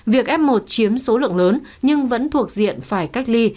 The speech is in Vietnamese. việc f một chiếm số lượng lớn nhưng vẫn thuộc diện phải cách ly